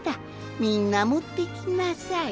みんなもってきなさい。